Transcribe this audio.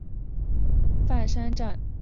饭山站铁路车站。